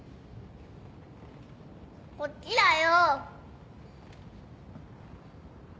こっちだよ。